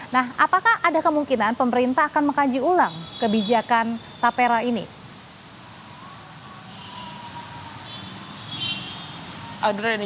nah apakah ada kemungkinan pemerintah akan mengkaji ulang kebijakan tapera ini